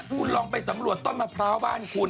คุณลองไปสำรวจต้นมะพร้าวบ้านคุณ